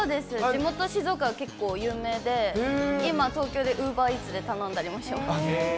地元、静岡では結構、有名で、今、東京でウーバーイーツで頼んだりもします。